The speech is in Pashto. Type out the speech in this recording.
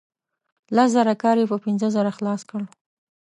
لس زره کار یې په پنځه زره خلاص کړ.